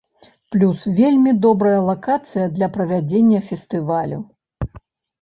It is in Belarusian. Плюс, вельмі добрая лакацыя для правядзення фестывалю.